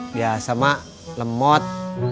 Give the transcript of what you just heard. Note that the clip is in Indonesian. biasa mak lemot